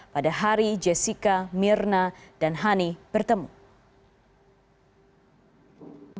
pada hari jessica mirna dan hani bertemu